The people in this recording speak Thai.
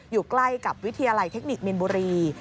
อยู่ใกล้กับวิทยาลัยเทคนิคมินบุรี